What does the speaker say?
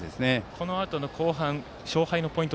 このあとの後半勝敗のポイント